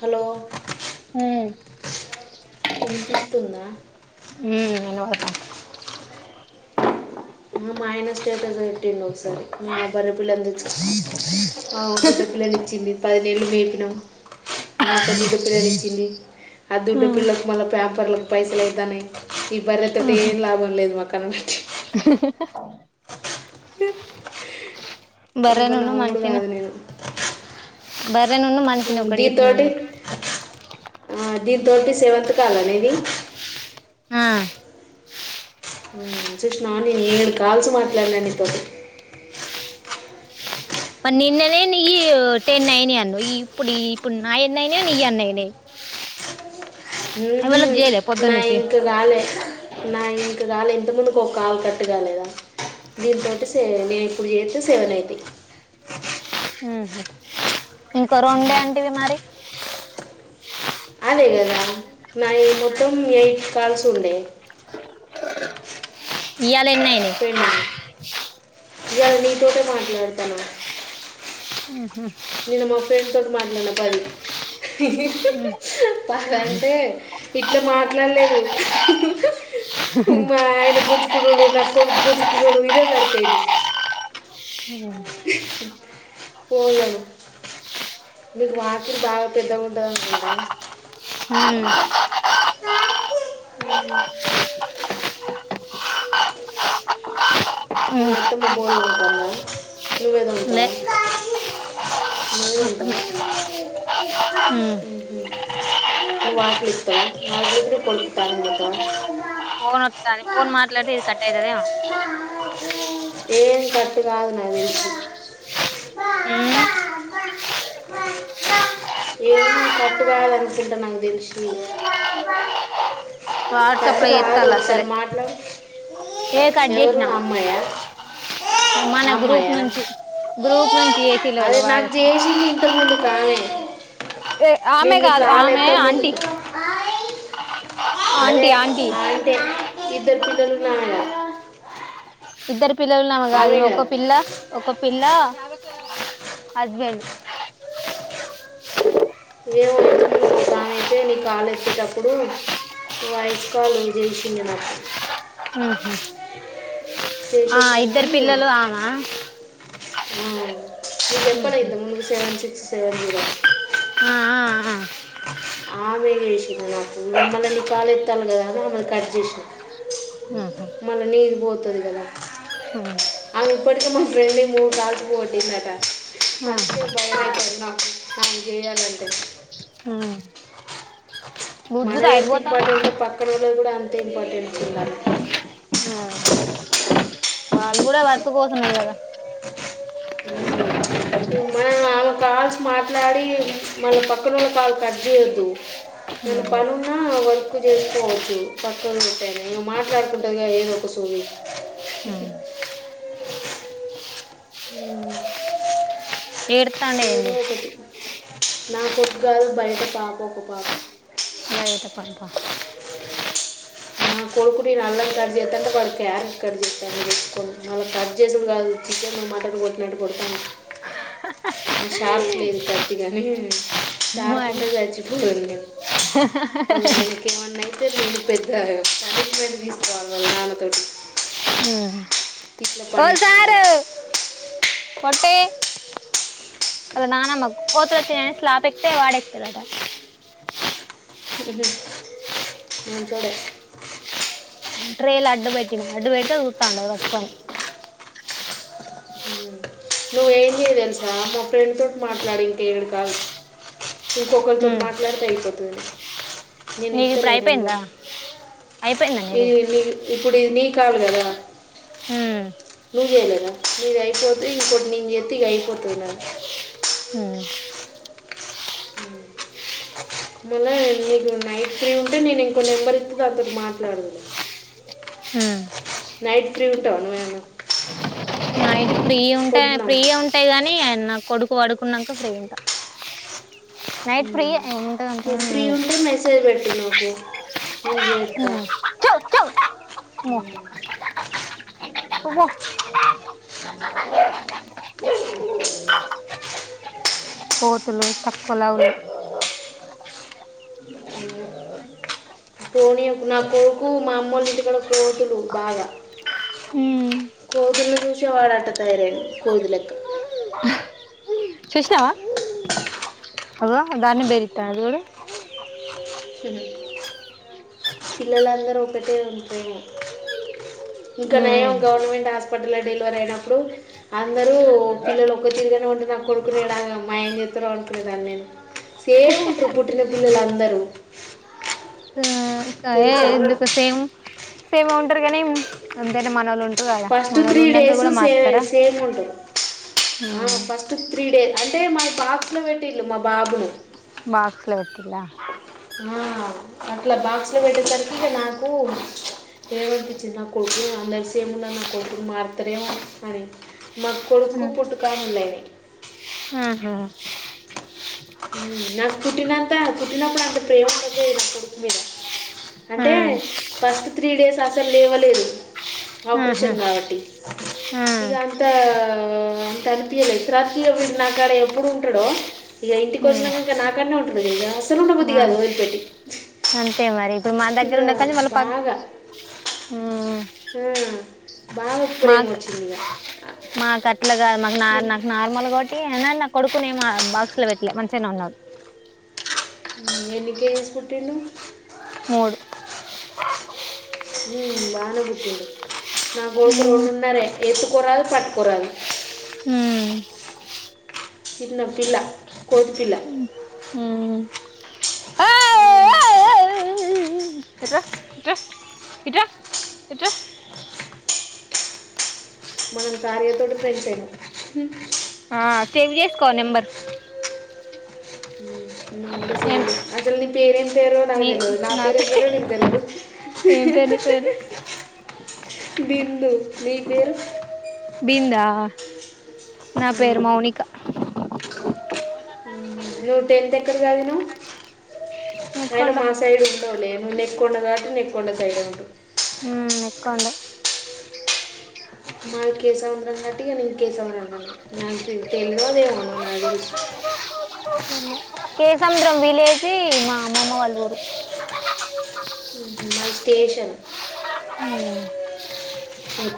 Hello హ్మ్ వినిపిస్ తుందా మ్ [unintelligible] మైనస్ స్టేటస్ పెట్టిండు ఒకసారి ఒ బర్రె పిల్లను తెచ్చు ఆ [unintelligible] పెద్ద పిల్లని ఇచ్చింది పది నెల్లు మేపినాం మా [unintelligible] దుడ్డ పిల్లనిచ్చింది ఆ దుడ్డపిల్లకు మళ్ళా ప్యాంపర్లకు పైసలైతాన్నాయ్ ఈ బర్రె తోటి ఏం లాభం లేదు మాకు కల్ట్ ఆహ్మ్ మీ బర్రెనును మనిషి ను కాదు నేను బర్రెనుము మన్ మ్మ్ దీన్ తోటి ఆ దీంతోటి సెవెంత్ కాలా నీది హా మ్మ్ చూసినావా నేను ఏడు కాల్సు మాట్లాడినా నీతో మరి నిన్ననే నీయు టెన్ అయనయి అన్నవు ఈ ఇప్పుడు ఇప్పుడు నాయి ఎన్నయినయో నీయి అన్నయినయి. ఏవి నాఇంకు కాలే నావి ఇంకుకాలే ఇంత ముందు ఇంకో కాల్ కట్టుగాలేదా దీనింతోటి సే నేను ఇప్పుడు చేత్తే సెవెన్ అయితయ్ ఇంకో రోండే అంటివి మరి అదే కదా నావి మొత్తం ఎయిట్ కాల్స్ ఉండే యత్ పెండింగ్ ఇయళ నీతోటే మాట్ లెతన్నా ఉహూ నేను మా ఫ్రెండ్ తోటి మాట్లాడిన పది పాలంటే ఇట్లా మాట్లాడలేదు మా ఆయన గుంచుకునుడు గా దో గుంజుకునుడు ఇదే సరిపోయింది ఉమ్ కోళ్ళను మీది వాకిలు బాగా పెద్దగా ఉంటాదనుకుంటా హ్మ్ మ్మ్ మీ హ్మ్ అత్తమ్మ బోల్ల్ కన్న నువ్వే తోముతావా అప్ప నే నువ్ వాకిలి ఊడుత్తవా వాకిలి ఊకీ నీ కొడుకి త్తానం దేత్తవా ఫోన్ వత్తాంది ఫోన్ మాట్లాడితే ఇది కట్ అయితదేమో ఏం కట్టు కాదు నాకు దెలిషి హు ఏది కట్టు కాదనుకుంటా నాకు తెలిషి వాట్సాప్ లో ఎత్తాలా సరే అమ్మాయ ఆ గ్రూప్ అమ్మాయా నుంచి గ్రూప్ నుంచి ఏసీలోలో అదే నాకు వాడు జేసింది ఇంత ముందు కా నే ఏ ఆమె కాదు ఆమె ఆంటీ అదే ఆంటి ఆంటి ఆ అంటే ఇద్దరు పిల్లలున్నమే కదా ఇద్దరు ప్ పిల్లలున్నామే కాదు ఆమె ఈమె ఒక కదా పిల్ల ఒక పిల్ల కేరళ హస్బెండ్ ఏమో ఇంతకుముందుకు ఒకమైతే ని కాల్ ఎత్తేటప్పుడు వాయిస్ కాల్ చేసింది నాకు ఉహు ఆ చేసేసరికి ఇద్దరు పిల్లలు ఆమా ఆ నువ్వు ఉహు చెప్పలేదు ముందు సెవెన్ సిక్స్ సెవెన్ జీరో అని ఆ ఆ ఆఆ ఆమె జీషింది నాకు ఇగ మల్ల నీక్ కాల్ ఎత్తలి గదా అని ఆమెది కట్ జెషినా ఉహు మళ్ళ నీది పోతద్ చదు గదా ఔను ఇప్పటిక మా ఫ్రెండ్ మూ కాల్స్ పోగొట్టిందట అందుకే బయమైతంది నాకు చేయాలంటే ఆ మన బుద్ధుడు ఎటు హెల్త్ పోతాండు ఇంపార్టెంటో పక్కనోళ్ళది కూడా అంత తే ఇంపార్టెంట్ [unintelligible] ఆ వాళ్ళు కూడా వర్క్ కోసమే కదా మ్మ్ ఇగ మనలాగా కాల్స్ మాట్లాడి మళ్ళీ పక్కనోళ్ల కాల్ కట్ చేయొద్దు నేన్ ఉమ్ పనున్నా వ వర్క్ చేసుకోవచ్చు పక్కన పెట్టాయినా ఈమె మాట్లాడుకుంటదిగా ఏదో ఒక సోది మ్మ్ ఏడుతాండ్ ఏంది నాకొడుక్ కాదు బయట పాప ఒక పాప బయట పాప నా కొడుకు నేన్ అల్లం కట్ చేస్తాంటే వాడు క్యారెట్ కట్ చేస్తాండు తెచ్చుకొని మళ్ళ కట్ చేసుడు కాదు చికెను మటను కొట్టినట్టు కొడతాండు షార్ప్ లేదు కత్తి కాని షార్ప్ మరి ఉంటే చచ్చిపోదున్ నేన్ మళ్ళా ఐనకి ఏమన్నాయితే నేను పెద్ద పనిష్మెంట్ తీసుకోవాలి వాల్ నాన్నతోటి ఇట్లా ఏల్ సారు, పనిష్మెంట్ పొట్టె అద నానమ్మకు కోతులొచ్చాయ్ అని స్లాప్ ఎక్తే వాడెక్త అట హు హు మంచొడే ట్రేల్ అడ్డు పెట్టినా, అడ్డు పెడితే ఉ తాండు వట్కొని నువ్ ఏని తెల్స మా ఫ్రెండ్ తోటి మాట్లాడి ఇంకేడు కాదు, ఇంకొకరితోటి ఉమ్ మాట్లాడితే అయిపోతది. నేను నీది ఇప్పుడు ఇత్తలే అయిపోయిందా నెంబరు, అయిపోయిందా ఏ నీది నీ ఇప్పుడు ఇనీ కాల్ కదా హు నువు చెయ్ లేద, నిది అయ్ పోతె ఇంకోటి నేచేత్తె ఇగ అయిపోతది నాది హు మళ్ళా నే నీకు నైట్ ఫ్రీ ఉంటే నేను ఇంకో నెంబర్ ఇత్తి దాన్నితోటి మాట్లాడును హూ ట నువ్వైనా నైట్ ఫ్రీ ఉంటే ఫ్రీయ ఉంటాయ్, గాని నా కొడుకు వడుక్ ఉన్నాంక ఫ్రీ ఉంటా నైట్ ఫ్రీయే ఏముంటది నువ్వు అంతగానం ఏం ఫ్రీ ఉంటే మెసేజ్ పెట్టు నాకు, నేన్ జేత్త ఉండదు చో చో ఒహు పోతులు, తకువలావున్నయ్ పొని నా కోరుకు మా అమ్మోలింటి కాడా కోతులు బాగా, ఉమ్ కోతుల్ని చూసి వాడట తయారయిండు కోదిలెక్క చూసినావా అగో దాన్ని బెర్రిత్త చుడు ఉహు. పిల్లలందరూ ఒకటే ఇంకా నయం ఉమ్ గవర్నమెంట్ హాస్పిటల్ డెలివరీ అయినప్పుడు, అందరూ పిల్లలు ఒక్క తిరుగానే ఉంటే నాకు కొడుకుని ఏడ మాయం చేత్తరొ అనుకునేదాన్ నేను సేమ్ ఇంటరు పుట్టిన పిల్లలందరూ ఆ కాఎ తెలుసా ఎందుకు సేమ్ సేమో ఉంటరు కానీ ఉంటారు కదా ఫస్ట్ మనోళ్ళు త్రీ ఉన్నాక డేస్ కూడా సే మారుతారా సేమ్ ఉంట, ఆ ఫస్ట్ త్రీ డేస్ అ అంటే మల్ బాక్స్‌లో పెట్టింల్లు మా బాబులు బాక్స్‌లో పెట్టిల్ల ఆ అట్ల బాక్స్‌లో పెట్టేసరికి ఇక నాకు ఏమనిపించింది, నా కొడుకు అందరూ సేమున్నరు, నా కొడుకును మార్తరేమో అని. మా కొడుకు పుట్టు కామెర్లు అయినై ఆహా నాకు పుట్టినంత పుట్టినప్పుడు అంత ప్రేమ ఉండక పోయింది నా కొడుకు మీద ఆ అంటే ఫస్ట్ త్రీ డేస్ అసల్ లేవలేదు ఆహా ఆపరేషన్ కాబట్టి ఆ ఇగా అంతా కనిపియలేదు తర్వాతకి వీడు నాక్కడ ఎప్పుడూ ఉంటాడో ఇగ ఇంటికి వచ్చిన్నకా నా కాడనే ఉంటుంది ఇగ అసలు ఉండబుద్ది ఆ కాదు వదిలిపెట్టి అంతే మరి ఇప్పుడు మా ఇగ దగ్గర ఉన్న కానీ మళ్ళీ ప బాగా ఆ. బాగా ప్రేమ మాక్ వచ్చింది ఇక మాకట్ల కాదు మాకు నార్మల్ నీ- మాకు నార్మల్ ఒకట్టి ఎన్నెన్నో కొడుకును ఏమన్నా బాక్స్‌లో పెట్టలే మంచిగానే ఉన్నాడు. ఏని కేజీస్ పుట్టిండు మూడు. హ్మ్ బానే పుట్టిండు నా కొడుకు మ్మ్ రెండున్నారే ఎత్తుకోరాదు పట్టుకోరాదు మ్మ్ చిన్న పిల్ల కోతి పిల్ల మ్మ్ హ్మ్ ఇట్రా ఇట్రా ఇట్రా ఇట్రా మనం కార్య తోటే ఫ్రెండ్స్ అయ్యినం. ఆ సేవ్ చేసుకో నంబర్. నువ్వు కూడా సేవ్ చేసుకో అయితేనే. పేరేంట పేరు నాకు నీ తెల్వదు నా పే- పేరేందో నీకు తెల్వదు ఏం పేరు నీ పేరు హుహుహు బిందు నీ పేరు బిందా నా ఆ. పేరు మౌనికా నువ్వు టెన్త్ ఎక్కడ చదివినావ్ అయినా నెక్కొండ మా సైడ్ ఉండవ్ లే నువ్ నే. కొండా కాబట్టి నెక్కొండ సైడే ఉంటవ్. హ్మ్, నెక్కొండా మాది కేశవ రంన్నట్టే నేను కేశవరంన్నట్టే నాకు తేలవే తెల్వదు ఏముందో నాకు తెలిశి కేసముద్రం విలేజ్ అమ్మమ్మ వాళ్ల ఊరు. హ్మ్ మాది స్టేషన్. హ్మ్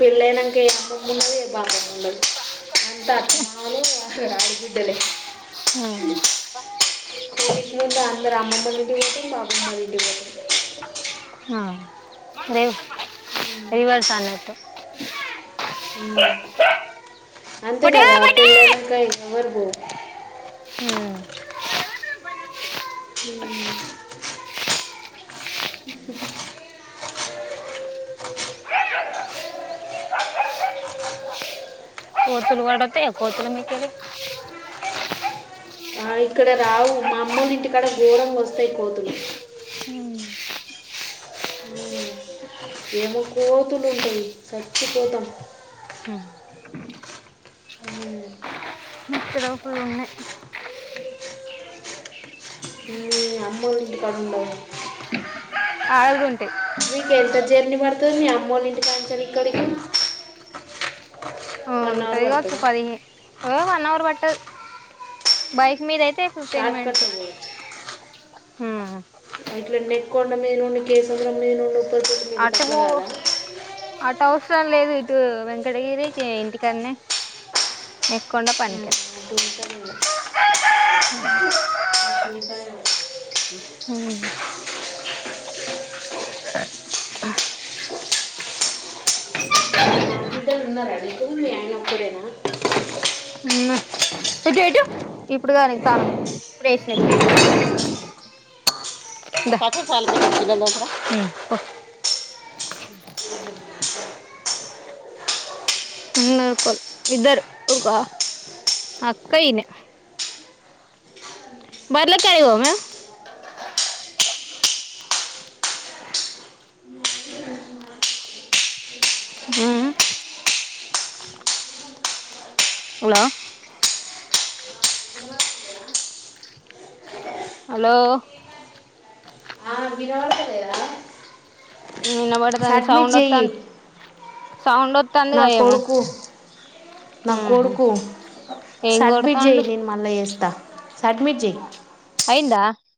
పెళ్లైనాక ఏ అభామూ ఉండదు ఏ పభామూ ఉండదు. అంతా అత్తమామలు ఆహా రారు. ఇదేలే. ఉమ్, [inaudible] [unintelligible] రామ్ అత్త లో ఇంటికి పోయినం మా అమ్మమ వల్ల ఇంటికి పోతిమి ఆ దేవ రివర్స్ అన్నకు అ అంతే పటే కదా పటే పిల్లలు సాయంత్రం వరకు ఉమ్, హ ఇ [unintelligible] కోతులు పడతాయా కోతులు మిక్కేలి ఆ ఇక్కడ రావు మా అమ్మలు ఇంటికాడ ఘోరంగా వస్తాయి కోతులు ఉమ్, ఏమో కోతులు ఉంటాయి చచ్చి పోతాం ఉమ్. కోతులు ఉన్నాయి మీ అమ్మలు ఇంటికాడ ఉండవు ఆడ కూడా ఉంటాయి మీకు ఎంత జర్నీ పడుతది మీ అమ్మలు ఇంటికాడ నుంచి ఇక్కడికి వన్ అవర్ ఉంటదిగా వచ్చు పడుతుంది పదిహే ఓ వన్ హవర్ పట్టదు బైక్ మీదాయితే ఫిఫ్టీన్ షార్ట్ మినిట్స్ కట్లో పోవచ్చు కొండ మినుండి కేసుంద్రం మినుండి అటు అటు అవసరం లేదు ఇటు వెంకటగిరికి జేయంగిరి ఇకనే ఉంటాం హ బిడ్డలు ఉన్నారా నీకు మీ ఆయన ఒకక్కడేనా ఉ ఎట్టు ఎట్టు ఇప్పుడు కానీ తాను స్పెషల్ [unintelligible] దసలకు పోయివాతరికే గిన్నెలు తోముతారా ఇద్దరు అక్క ఇనే బర్లకేల్లిపోవా హు హలో హలోలో ఆ వినబడతాంది సడ్మిట్ సౌండ్ చెయి వత్తాంది సౌండ్ నా వత్తాందిగా ఏమో కొడుకు నా ఉహు కొడుకు ఏం సడ్మిట్ చేయి కొడతాండు నేను మళ్ళా చేస్తా సబ్మిట్ చెయ్యి అయిందా